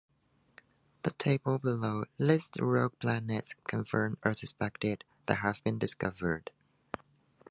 The table below lists rogue planets, confirmed or suspected, that have been discovered.